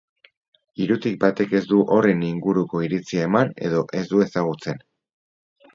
Hirutik batek ez du horren inguruko iritzia eman edo ez du ezagutzen.